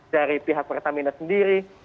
dari pihak pertamina sendiri